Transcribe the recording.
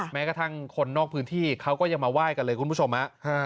แม้กระทั่งคนนอกพื้นที่เขาก็ยังมาไหว้กันเลยคุณผู้ชมฮะ